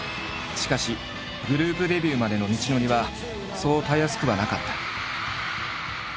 しかしグループデビューまでの道のりはそうたやすくはなかった。